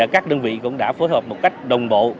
các đơn vị cũng đã phối hợp một cách đồng bộ